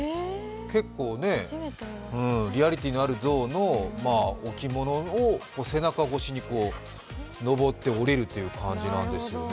結構ね、リアリティーのある象の置物を背中越しに上って下りるという形なんですよね。